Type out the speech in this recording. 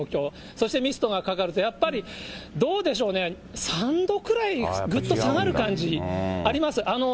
そしてミストがかかると、やっぱりどうでしょうね、３度くらいぐっと下がる感じあります。